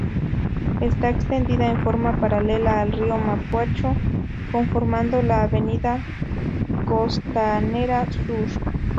Está extendida en forma paralela al río Mapocho, conformando la Avenida Costanera Sur.